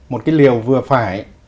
một cái liều vừa phải